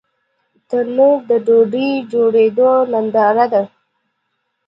تنور د ډوډۍ جوړېدو ننداره ده